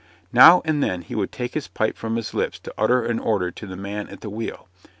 Now and then he would take his pipe from his lips to utter an order to the man at the wheel.